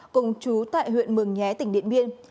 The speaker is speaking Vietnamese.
cùng chú tại huyện mường nhé tỉnh điện biên